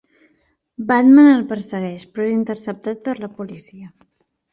Batman el persegueix, però és interceptat per la policia.